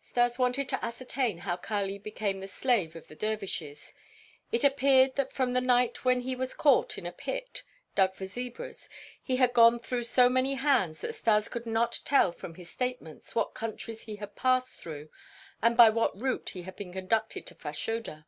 Stas wanted to ascertain how Kali became the slave of the dervishes; it appeared that from the night when he was caught in a pit, dug for zebras, he had gone through so many hands that Stas could not tell from his statements what countries he had passed through and by what route he had been conducted to Fashoda.